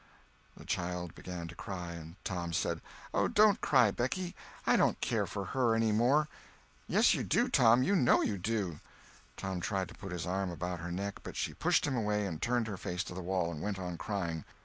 The child began to cry. Tom said: "Oh, don't cry, Becky, I don't care for her any more." "Yes, you do, Tom—you know you do." Tom tried to put his arm about her neck, but she pushed him away and turned her face to the wall, and went on crying.